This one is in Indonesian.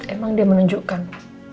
emang dia menunjukkan